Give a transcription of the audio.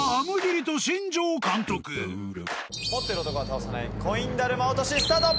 持ってる男は倒さないコインだるま落とし。